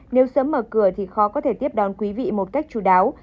nếu sớm mở cửa thì khó có thể tiếp đón quý vị một cách chú đáo